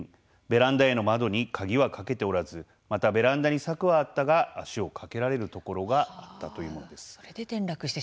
ベランダへの窓に鍵は掛けておらずまた、ベランダに柵はあったが足を掛けられるところがあったというものです。